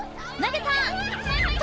投げた！